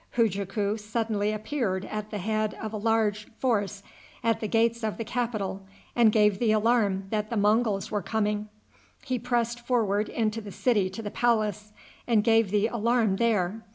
Hujaku suddenly appeared at the head of a large force at the gates of the capital, and gave the alarm that the Monguls were coming. He pressed forward into the city to the palace, and gave the alarm there.